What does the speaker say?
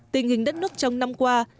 tình hình đất nước trong năm qua